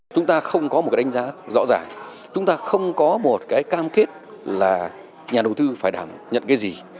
chúng ta không có một đánh giá rõ ràng chúng ta không có một cam kết là nhà đầu tư phải nhận cái gì